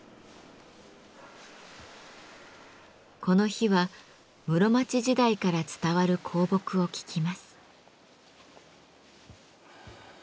この日は室町時代から伝わる香木を聞きます。